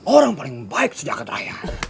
orang paling baik sejak keterayaan